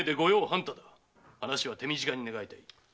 話は手短に願いたい。